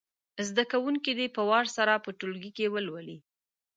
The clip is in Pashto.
زده کوونکي دې په وار سره په ټولګي کې ولولي.